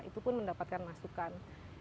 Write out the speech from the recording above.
itu pun mendapatkan masukan